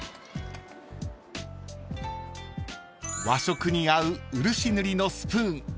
［和食に合う漆塗りのスプーン］